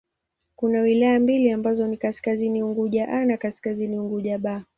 Kuna wilaya mbili ambazo ni Kaskazini Unguja 'A' na Kaskazini Unguja 'B'.